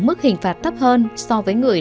mức hình phạt thấp hơn so với người